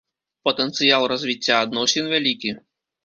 Патэнцыял развіцця адносін вялікі.